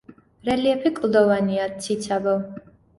რელიეფი კლდოვანია, ციცაბო.